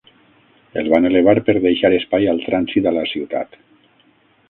El van elevar per deixar espai al trànsit a la ciutat.